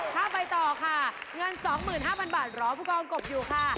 ถ้าไปต่อค่ะเงิน๒๕๐๐บาทรอผู้กองกบอยู่ค่ะ